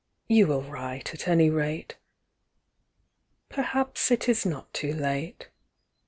You will write, at any rate. Perhaps it is not too late.